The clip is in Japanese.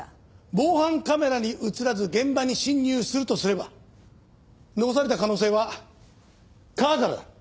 防犯カメラに映らず現場に侵入するとすれば残された可能性は川からだ。